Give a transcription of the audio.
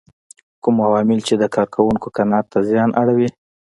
کوم عوامل چې د کار کوونکو قناعت ته زیان اړوي.